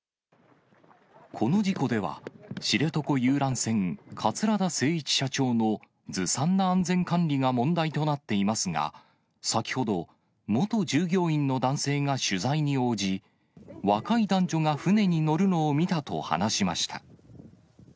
この事故では、知床遊覧船、桂田精一社長のずさんな安全管理が問題となっていますが、先ほど、元従業員の男性が取材に応じ、若い男女が船に乗るのを見たと話しました。